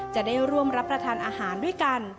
จะได้ร่วมรับประทานอาหารด้วยกัน